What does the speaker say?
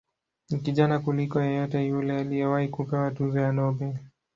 Ni kijana kuliko yeyote yule aliyewahi kupewa tuzo ya Nobel.